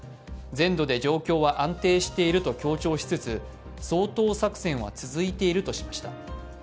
全土で状況は安定していると強調しつつ掃討作戦は続いているとしました。